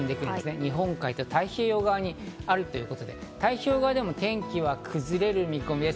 日本海と太平洋側にあるということで、太平洋側でも天気が崩れる見込みです。